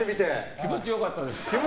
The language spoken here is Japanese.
気持ち良かったです。